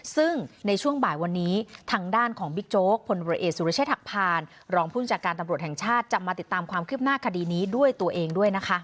ซึ่งในช่วงบ่ายวันนี้ทางด้านของบิ๊กโจ๊กพลเรือเอกสุรเชษฐหักพานรองผู้จัดการตำรวจแห่งชาติจะมาติดตามความคืบหน้าคดีนี้ด้วยตัวเองด้วยนะคะ